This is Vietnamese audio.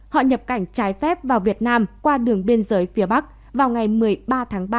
họ nhập cảnh trái phép vào việt nam qua đường biên giới phía bắc vào ngày một mươi ba tháng ba năm hai nghìn hai mươi một